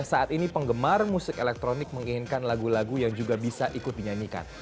saat ini penggemar musik elektronik menginginkan lagu lagu yang juga bisa ikut dinyanyikan